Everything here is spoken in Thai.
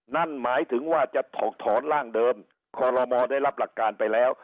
นั่นหมายถึงว่าจะถอดถอนร่างเดิมคอลโลมอได้รับหลักการไปแล้ว